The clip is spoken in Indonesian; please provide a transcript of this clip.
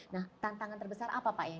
nah tantangan terbesar apa pak yang dihadapi